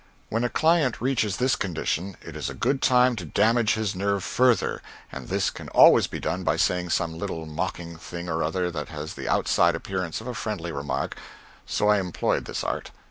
When a client reaches this condition, it is a good time to damage his nerve further, and this can always be done by saying some little mocking thing or other that has the outside appearance of a friendly remark so I employed this art.